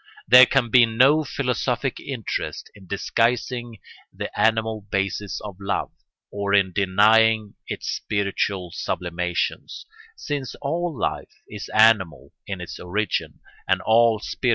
There can be no philosophic interest in disguising the animal basis of love, or in denying its spiritual sublimations, since all life is animal in its origin and all spiritual in its possible fruits.